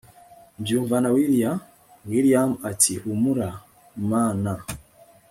mbyumvana willia william ati humura mn